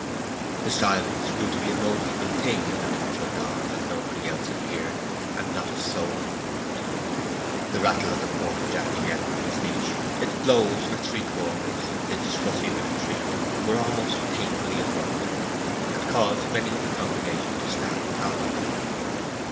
The silence grew to be a noticeable thing as the minutes went on, and nobody else appeared, and not a soul moved. The rattle of the quarter jack again from its niche, its blows for three quarters, its fussy retreat, were almost painfully abrupt, and caused many of the congregation to start palpably.